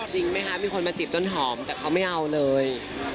จริงไหมคะมีคนมาจีบต้นหอมแต่เขาไม่เอาเลย